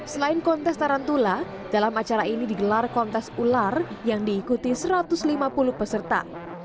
selain kontes tarantula dalam acara ini digelar kontes ular yang diikuti satu ratus lima puluh peserta